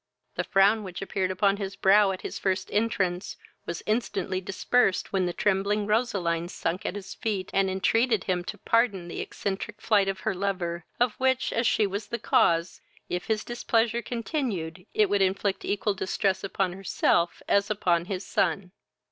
The frown which appeared upon his brow, at his first entrance, was instantly dispersed when the trembling Roseline sunk at his feet, and entreated him to pardon the eccentric flight of her lover, of which, as she was the cause, if his displeasure continued, it would inflict equal distress upon herself as upon his son.